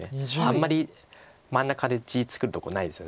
あんまり真ん中で地作るとこないですよね。